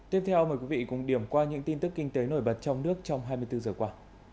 tiếp theo mời quý vị cùng điểm qua những tin tức kinh tế nổi bật trong nước trong hai mươi bốn giờ qua